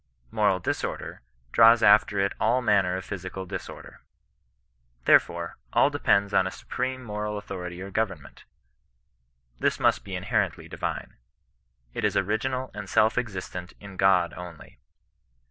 Moral disorder draws after it all manner of physical disorder. Therefore, all depends on a supreme moral authority or government. This must be inherently divine. It is original and self existent in God only.